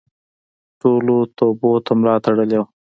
ټولو توبو ته ملا تړلې وه.